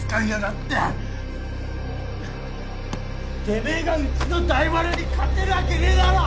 てめえがうちの大丸に勝てるわけねえだろ！